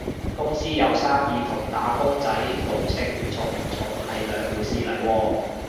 公司有生意同打工仔奴性重唔重係兩回事嚟喎